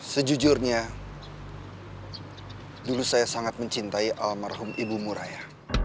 sejujurnya dulu saya sangat mencintai almarhum ibu muraya